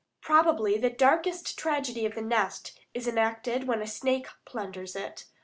Probably the darkest tragedy of the nest is enacted when a snake plunders it.